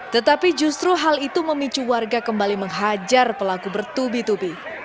tetapi justru hal itu memicu warga kembali menghajar pelaku bertubi tubi